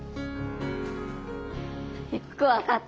よくわかった。